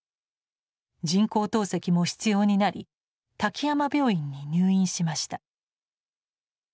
人工透析も必要になり滝山病院に入院しました。